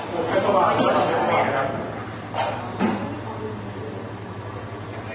ขอบคุณครับ